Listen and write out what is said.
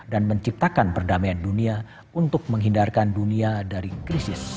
dan menciptakan perdamaian dunia untuk menghindarkan dunia dari krisis